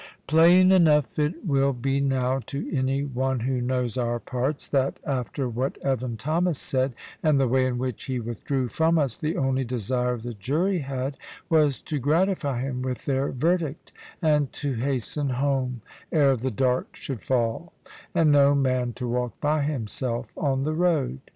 Plain enough it will be now, to any one who knows our parts, that after what Evan Thomas said, and the way in which he withdrew from us, the only desire the jury had was to gratify him with their verdict, and to hasten home, ere the dark should fall, and no man to walk by himself on the road.